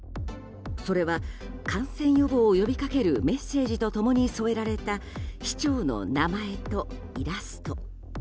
それは、感染予防を呼びかけるメッセージと共に添えられた市長の名前とイラスト。